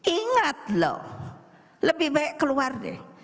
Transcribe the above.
ingat loh lebih baik keluar deh